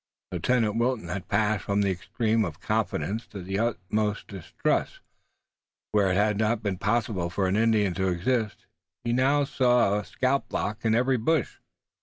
Lieutenant Wilton had passed from the extreme of confidence to the utmost distrust. Where it had not been possible for an Indian to exist he now saw a scalplock in every bush.